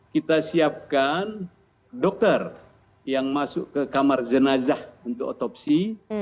kita siapkan dokter yang masuk ke kamar jenazah untuk otopsi